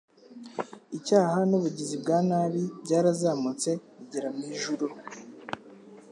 Icyaha n’ubugizi bwa nabi byarazamutse bigera mu ijuru